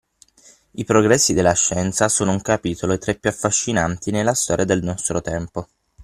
I progressi della scienza sono un capitolo tra i più affascinanti nella storia del nostro tempo.